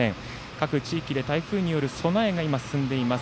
各地域で台風による備えが進んでいます。